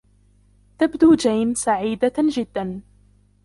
تبدو جين سعيدة جدا.